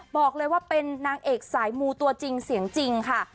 บอกเลยว่าเป็นนางเอกสายมูตัวจริงเสียงจริงค่ะ